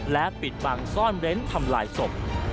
และปิดบังซ่อนเร้นทำลายศพ